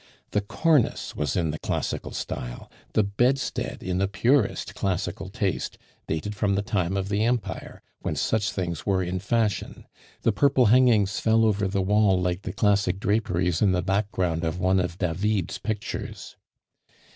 The cornice was in the classical style; the bedstead, in the purest classical taste, dated from the time of the Empire, when such things were in fashion; the purple hangings fell over the wall like the classic draperies in the background of one of David's pictures.